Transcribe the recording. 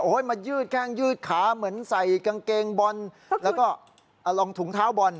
มายืดแข้งยืดขาเหมือนใส่กางเกงบอลแล้วก็ลองถุงเท้าบอล